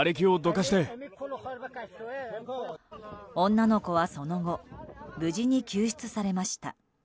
女の子は、その後無事に救出されました。